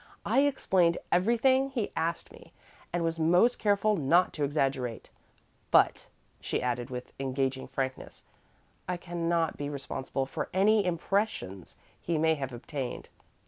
"I explained everything he asked me, and was most careful not to exaggerate. But," she added with engaging frankness, "I cannot be responsible for any impressions he may have obtained.